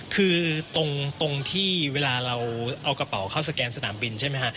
คือตรงที่เวลาเราเอากระเป๋าเข้าสแกนสนามบินใช่ไหมฮะ